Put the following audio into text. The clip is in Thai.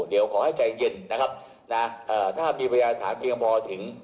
เดี๋ยวขอให้ใจเย็นนะครับถ้ามีประหยัดฐานเพียงบ่อถึง